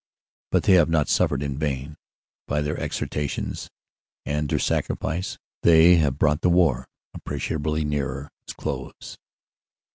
But they have not suffered in vain; by their exertions and their sacrifice they have brought the war appreciably nearer its close.